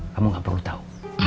kamu gak perlu tau